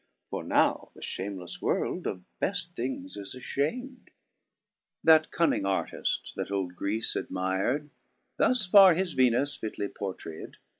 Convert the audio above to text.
For now the fliameles world of beft things is afliam*d. 12. That cunning artift, that old Greece admir'd. Thus farre his Venus fitly portrayed.